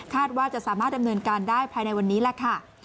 ว่าจะสามารถดำเนินการได้ภายในวันนี้แหละค่ะ